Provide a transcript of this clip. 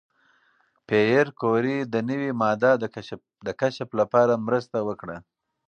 پېیر کوري د نوې ماده د کشف لپاره مرسته وکړه.